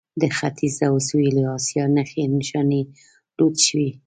د ختیځ او سویلي اسیا نښې نښانې لوټ شوي.